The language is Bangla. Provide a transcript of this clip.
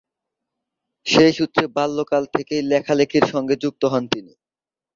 সেই সূত্রে বাল্যকাল থেকেই লেখালেখির সঙ্গে যুক্ত হন তিনি।